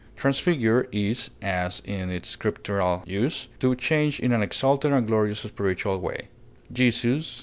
Transfigure is, as in its Scriptural use, to change in an exalted and glorious spiritual way; "Jesus